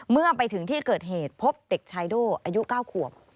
เมื่อไปถึงที่เกิดเหตุพบเด็กชายโด่อายุ๙ขวบ